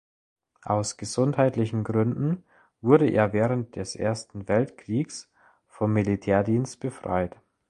Aus gesundheitlichen Gründen wurde er während des Ersten Weltkriegs vom Militärdienst befreit.